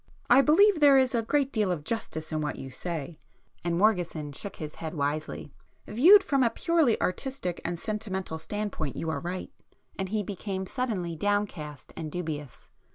"I believe there is a great deal of justice in what you say;" and Morgeson shook his head wisely—"Viewed from a purely artistic and sentimental standpoint you are right." And he became suddenly downcast and dubious.